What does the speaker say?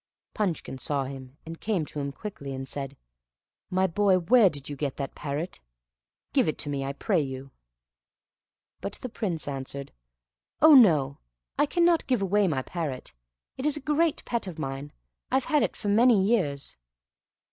Punchkin saw him, and came to him quickly, and said, "My boy, where did yon get that parrot? Give it to me, I pray you." But the Prince answered, "Oh no, I cannot give away my parrot, it is a great pet of mine; I have had it many years."